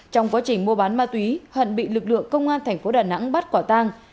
trong quá trình mua bán ma túy hận bị lực lượng công an thành phố đà nẵng bắt quả tang